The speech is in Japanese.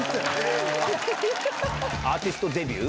アーティストデビュー？